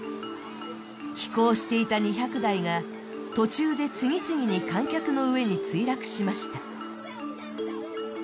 飛行していた２００台が途中で次々に観客の上に墜落しました。